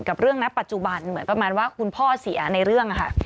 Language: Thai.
กับเรื่องณปัจจุบันเหมือนประมาณว่าคุณพ่อเสียในเรื่องค่ะ